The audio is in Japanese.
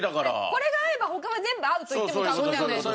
これが合えば他は全部合うといっても過言ではない。